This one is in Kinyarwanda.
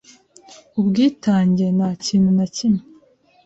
ubwitange nta kintu na kimwe